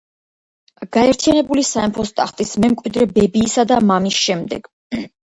გაერთიანებული სამეფოს ტახტის მემკვიდრე ბებიისა და მამის შემდეგ.